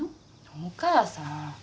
お母さん。